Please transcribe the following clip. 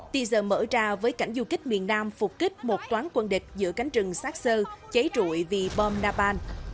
tì giờ mở ra với cảnh du kích miền nam phục kích một toán quân địch giữa cánh rừng sát sơ cháy rụi vì bom napan